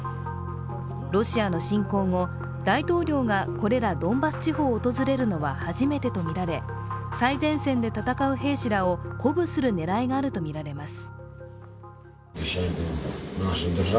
ロシアの侵攻後、大統領がこれらドンバス地方を訪れるのは初めてとみられ、最前線で戦う兵士らを鼓舞する狙いがあるとみられます。